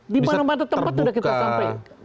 dimana mana tempat sudah kita sampaikan